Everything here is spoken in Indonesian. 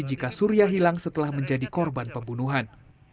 jika surya hilang setelah menjadi korban pembunuhan